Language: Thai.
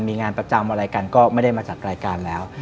มีงานประจำอะไรกันก็ไม่ได้มาจัดรายการแล้ว